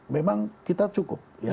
memang kita cukup